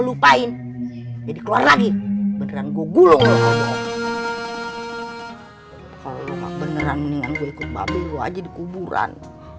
lupain jadi keluar lagi beneran gua gulung kalau lu beneran ikut mbak be dikuburan